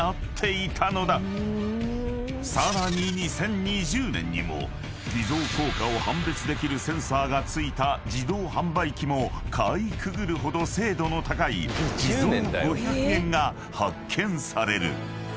［さらに２０２０年にも偽造硬貨を判別できるセンサーが付いた自動販売機もかいくぐるほど精度の高い偽造５００円が発見される］